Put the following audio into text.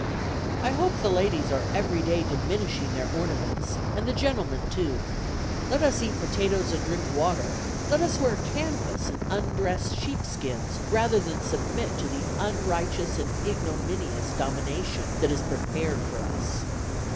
I hope the ladies are every day diminishing their ornaments, and the gentlemen, too. Let us eat potatoes and drink water; let us wear canvas, and undressed sheepskins, rather than submit to the unrighteous and ignominious domination that is prepared for us.